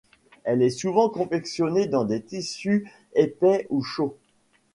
Elle est souvent confectionnée dans des tissus épais ou chauds.